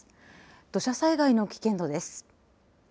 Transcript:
土砂災害の危険度です。